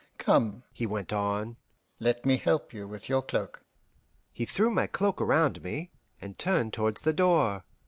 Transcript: Come," he went on, "let me help you with your cloak." He threw my cloak around me, and turned towards the door.